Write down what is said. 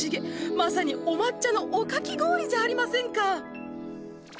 まさにお抹茶のおかき氷じゃありませんか。